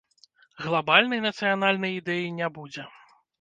Глабальнай нацыянальнай ідэі не будзе.